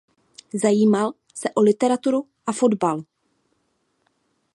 Zajímal se o literaturu a fotbal.